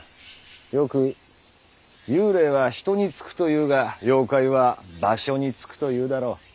よく幽霊は「人」に憑くというが妖怪は「場所」に憑くというだろ。